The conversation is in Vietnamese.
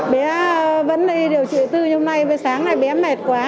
bé vẫn đi điều trị tư như hôm nay với sáng này bé mệt quá